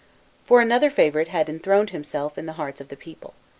For another favourite had enthroned himself in the hearts of the people.